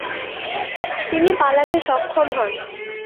তিনি পালাতে সক্ষম হন।